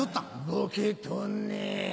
ボケとんねん。